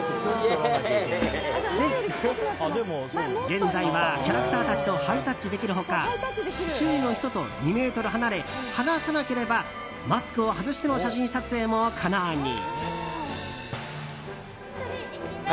現在はキャラクターたちとハイタッチできる他周囲の人と２ｍ離れ話さなければマスクを外しての写真撮影も可能に。